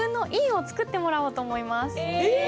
え！